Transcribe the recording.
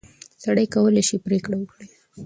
سړی کولای شي پرېکړه وکړي.